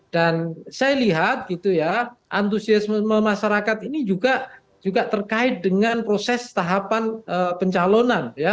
dan saya lihat gitu ya antusiasme masyarakat ini juga terkait dengan proses tahapan pencalonan ya